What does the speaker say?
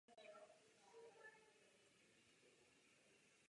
Místní tradice předpokládá existenci středověké kaple západně od současného kostela.